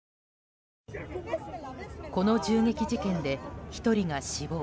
この銃撃事件で１人が死亡。